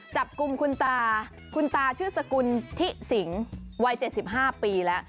จับกลุ่มคุณตาคุณตาชื่อสกุลทิสิงวัย๗๕ปีแล้ว